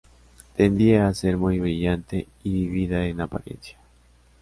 Tendía a ser muy brillante y vívida en apariencia.